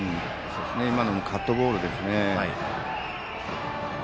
今のもカットボールですね。